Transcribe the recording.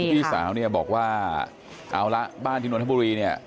พี่สาวเนี่ยบอกว่าเอาละบ้านที่นนทบุรีเนี่ย